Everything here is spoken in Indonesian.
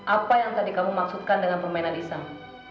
apa yang tadi kamu maksudkan dengan permainan isang